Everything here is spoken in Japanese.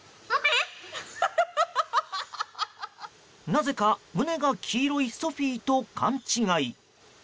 なぜか胸が黄色いソフィーと勘違い。